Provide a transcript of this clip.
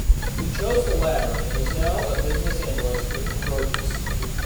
He chose the latter, and is now a business analyst with Convergys.